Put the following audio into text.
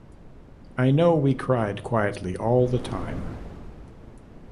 I know we cried quietly all the time.